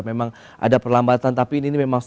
memang ada perlambatan tapi ini memang